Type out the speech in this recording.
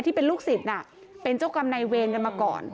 ที่เป็นลูกศิษย์เป็นเจ้ากรรมในเวรกันมาก่อน